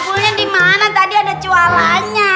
bulnya dimana tadi ada jualannya